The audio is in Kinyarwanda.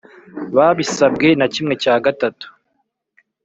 Babisabwe na kimwe cya gatatu